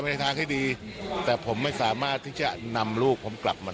ในทางที่ดีแต่ผมไม่สามารถที่จะนำลูกผมกลับมา